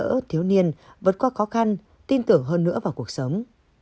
giúp đỡ thiếu niên vượt qua khó khăn tin tưởng hơn nữa vào cuộc sống